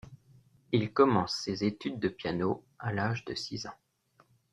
Il commence ses études de piano à l’âge de six ans.